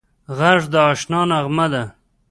غږ د اشنا نغمه ده